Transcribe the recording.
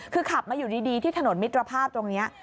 คือขับมาอยู่ดีที่ถนนมิตรภาพตรงนี้